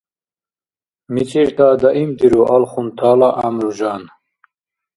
Мицӏирта даимдиру алхунтала гӏямру-жан